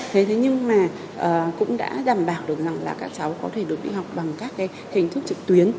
thế nhưng mà cũng đã đảm bảo được rằng là các cháu có thể được đi học bằng các cái hình thức trực tuyến